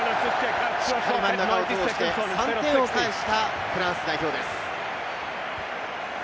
しっかり真ん中を通して３点を返したフランス代表です。